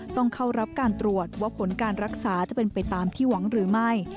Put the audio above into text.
ต้องเข้ารับการตรวจว่าผลการรักษาจะเป็นไปตามที่หวังหรือไม่